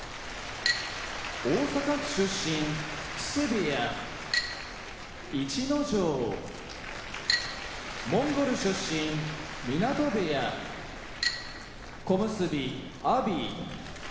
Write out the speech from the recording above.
大阪府出身木瀬部屋逸ノ城モンゴル出身湊部屋小結・阿炎